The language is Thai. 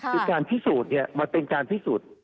คือจารณ์พิสูจน์มันเป็นจารย์พิสูจน์